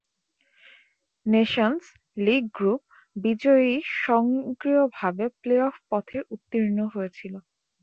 Nations League group বিজয়ী স্বয়ংক্রিয়ভাবে playoff পথের উত্তীর্ণ হয়েছিল।